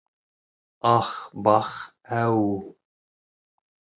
Ах-бах-әүү!